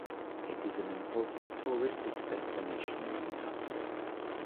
It is an important touristic destination in Utah State.